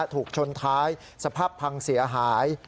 ถูกชนท้ายสภาพพังเสียหาย